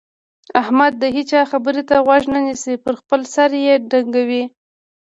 احمد د هيچا خبرې ته غوږ نه نيسي؛ پر خپل سر يې ډنګوي.